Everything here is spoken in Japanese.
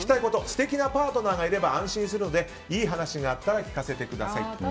素敵なパートナーがいれば安心するので、いい話があったら聞かせてくださいと。